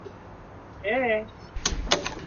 kwa kweli nchi inakuwa na amani na utulivu na